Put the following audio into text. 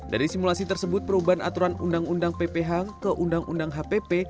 dari simulasi tersebut perubahan aturan undang undang pph ke undang undang hpp